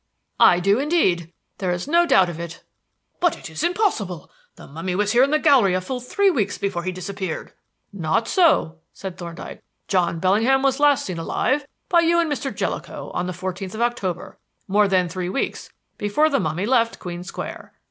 "I do indeed. There is no doubt of it." "But it is impossible! The mummy was here in the gallery a full three weeks before he disappeared." "Not so," said Thorndyke. "John Bellingham was last seen alive by you and Mr. Jellicoe on the fourteenth of October, more than three weeks before the mummy left Queen Square.